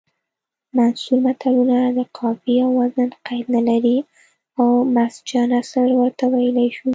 منثور متلونه د قافیې او وزن قید نلري او مسجع نثر ورته ویلی شو